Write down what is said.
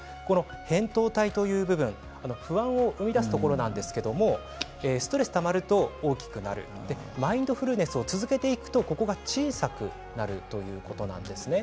へんとう体という部分不安を生み出すところなんですがストレスがたまると大きくなるマインドフルネスを続けていくとここが小さくなるということなんです。